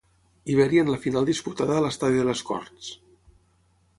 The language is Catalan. Ibèria en la final disputada a l'estadi de les Corts.